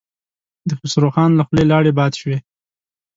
د خسرو خان له خولې لاړې باد شوې.